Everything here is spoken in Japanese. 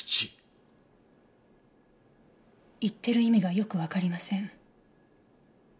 言ってる意味がよくわかりません。